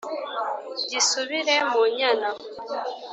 gisubire mu nyana